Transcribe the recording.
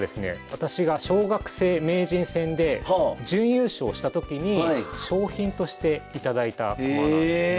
私が小学生名人戦で準優勝した時に賞品として頂いたものなんですね。